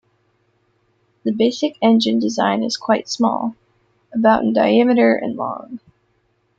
The basic engine design is quite small, about in diameter, and long.